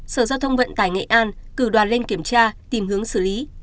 sở giao thông vận tải nghệ an cử đoàn lên kiểm tra tìm hướng xử lý